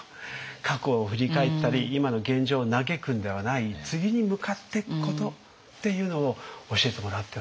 過去を振り返ったり今の現状を嘆くんではない次に向かってくことっていうのを教えてもらったような気がしました。